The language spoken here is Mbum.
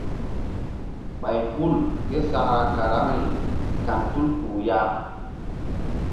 Ɓay hul ké sakra karaŋri kan tul kpuh ya.